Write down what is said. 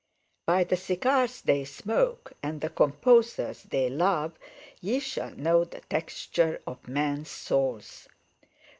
By the cigars they smoke, and the composers they love, ye shall know the texture of men's souls.